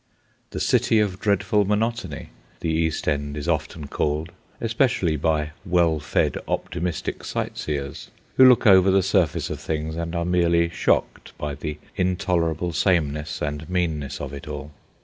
The City of Dreadful Monotony, the East End is often called, especially by well fed, optimistic sightseers, who look over the surface of things and are merely shocked by the intolerable sameness and meanness of it all.